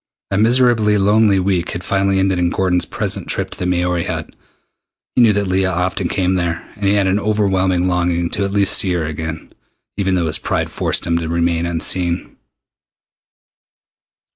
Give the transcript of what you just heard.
A miserably lonely week had finally ended in Gordon's present trip to the Maori Hut. He knew that Leah often came there, and he had an overwhelming longing to at least see her again, even though his pride forced him to remain unseen.